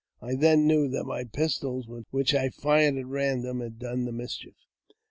I then knew that my pistols, which I fired at random, had done the mischief.